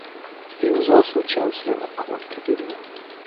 He was also Chancellor of Cork Cathedral.